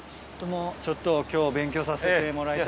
ちょっと今日勉強させてもらいたい。